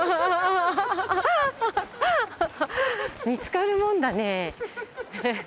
見つかるもんだね。